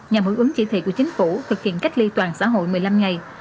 nhằm hưởng ứng chỉ thị của chính phủ thực hiện cách ly toàn xã hội một mươi năm ngày